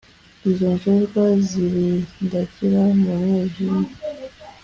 Izo njajwa zirindagira mu mwijima